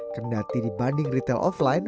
kendati dibanding retail offline